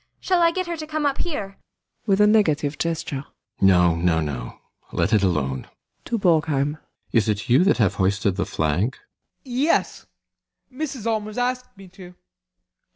Shall I get her to come up here? ALLMERS. [With a negative gesture.] No, no, no let it alone. [To BORGHEIM.] Is it you that have hoisted the flag? BORGHEIM. Yes. Mrs. Allmers asked me to.